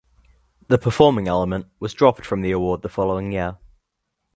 The "performing" element was dropped from the award the following year.